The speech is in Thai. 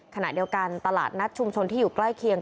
ขณะเดียวกันตลาดนัดชุมชนที่อยู่ใกล้เคียง